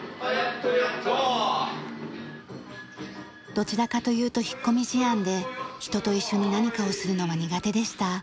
どちらかというと引っ込み思案で人と一緒に何かをするのは苦手でした。